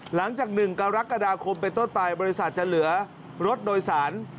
หลังจาก๑กรกฎาคมไปต้นไปบริษัทจะเหลือรถโดยสาร